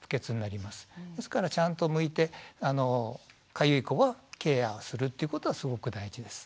ですからちゃんとむいてかゆい子はケアをするってことはすごく大事です。